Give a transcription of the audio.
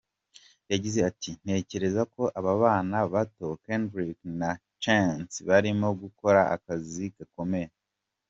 Yagize ati: "Ntekereza ko aba bana bato; Kendrick na Chance barimo gukora akazi gakomeye.